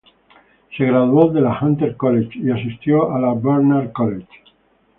Se graduó de la Hunter College y asistió a la Barnard College.